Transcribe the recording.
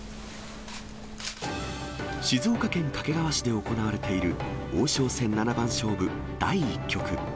静岡県掛川市で行われている王将戦七番勝負第１局。